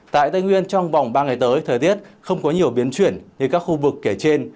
tại tây nguyên trong vòng ba ngày tới thời tiết không có nhiều biến chuyển như các khu vực kể trên